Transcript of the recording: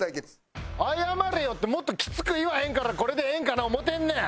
「謝れよ」ってもっときつく言わへんからこれでええんかな思てんねん！